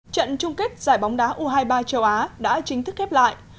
trận chung kết giải bóng đá u hai mươi ba châu á đã chính thức khép lại